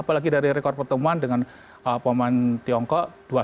apalagi dari rekor pertemuan dengan pemain tiongkok dua satu